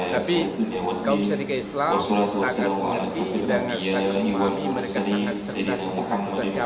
tapi kaum syarikat islam sangat mengerti dan sangat memahami mereka sangat serta